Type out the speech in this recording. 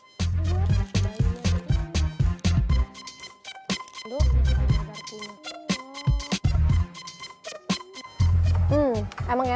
sudah sampai saatnya mencoba